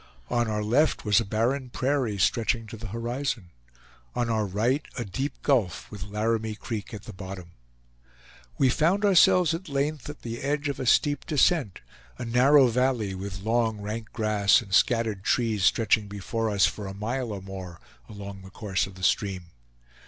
On our left was a barren prairie, stretching to the horizon; on our right, a deep gulf, with Laramie Creek at the bottom. We found ourselves at length at the edge of a steep descent; a narrow valley, with long rank grass and scattered trees stretching before us for a mile or more along the course of the stream.